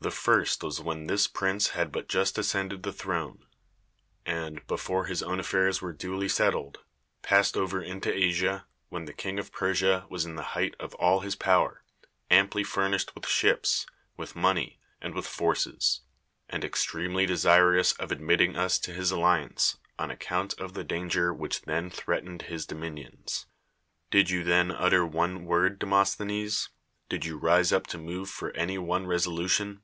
The first was when this prince had but just ascended the throne, and, before his own att'airs were duly settled, passed over into Asia, when the Kinu of Persia was in the height of all his powei . ai::;)]y fiu" nished with ships, with money, and v. \\\i forces, and extremely desirous of admittinu' us to his alliance, on account of the danger which then threatened his dominions. Did you then uttei one word, Demosthenes? Did you rise up t;) move for any one resolution